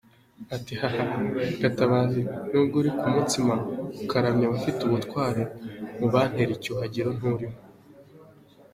Ati “ Haha Gatabazi, nubwo uri ku mutsima, ukaramya abafite ubutware, mu bantera icyuhagiro nturimo….”.